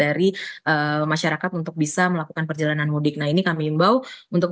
dari masyarakat untuk bisa melakukan perjalanan mudik nah ini kami imbau untuk